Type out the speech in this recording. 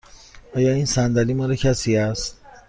آیا این صندلی مال کسی است؟